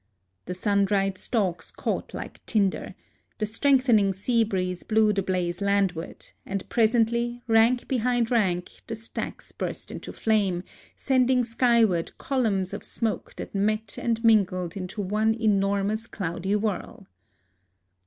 The sun dried stalks caught like tinder; the strengthening sea breeze blew the blaze landward ; and presently, rank behind rank, the stacks burst into flame, sending skyward columns of smoke that met and mingled into one enormous cloudy whirl.